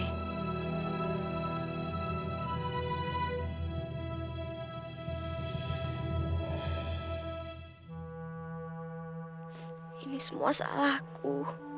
ini semua salahku